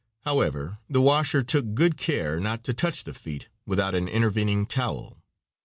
However, the washer took good care not to touch the feet without an intervening towel.